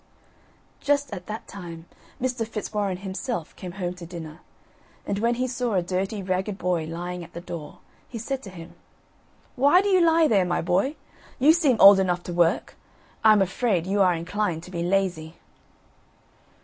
Just at that time Mr. Fitzwarren himself came home to dinner; and when he saw a dirty ragged boy lying at the door, he said to him: "Why do you lie there, my boy? You seem old enough to work; I am afraid you are inclined to be lazy."